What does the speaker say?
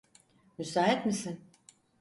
Müsait misin?